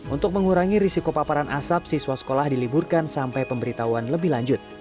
untuk mengurangi risiko paparan asap siswa sekolah diliburkan sampai pemberitahuan lebih lanjut